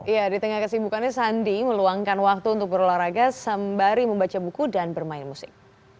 ya di tengah kesibukannya sandi meluangkan waktu untuk berolahraga sembari membaca buku dan bermain musik